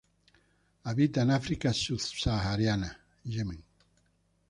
Habita en África Sub-sahariana, Yemen.